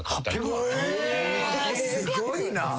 すごいな。